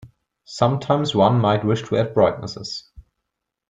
Sometimes one might wish to add brightnesses.